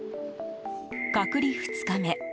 隔離２日目。